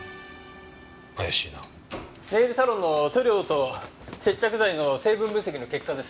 ネイルサロンの塗料と接着剤の成分分析の結果です。